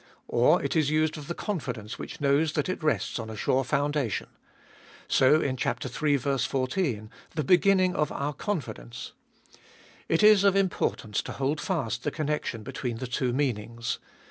Or it is used of the confidence which knows that it rests on a sure foundation. So, in chap. iii. 14, the beginning of our confidence. It is of importance to hold fast the connection between the two meanings.